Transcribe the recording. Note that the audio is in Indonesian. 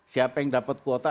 siapa yang dapat kuota